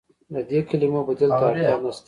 د دې کلمو بدیل ته اړتیا نشته.